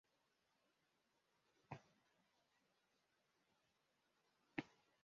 Umugore yicaye ku buriri afite ingamiya yuzuye mu bibero mu gihe ashyira amaboko ye mu maso